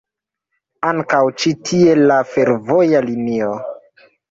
Ankaŭ ĉi tie la fervoja linio.